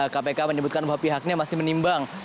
kpk menyebutkan bahwa pihaknya masih menimbang